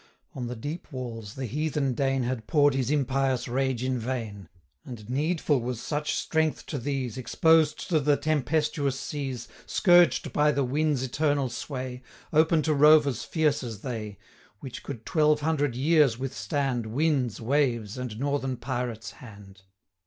175 On the deep walls, the heathen Dane Had pour'd his impious rage in vain; And needful was such strength to these, Exposed to the tempestuous seas, Scourged by the winds' eternal sway, 180 Open to rovers fierce as they, Which could twelve hundred years withstand Winds, waves, and northern pirates' hand.